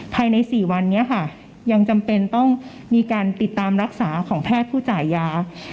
ภายใน๔วันนี้ค่ะยังจำเป็นต้องมีการติดตามรักษาของแพทย์ผู้จ่ายยา